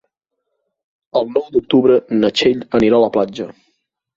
El nou d'octubre na Txell anirà a la platja.